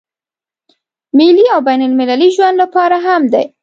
ملي او بين المللي ژوند لپاره هم دی.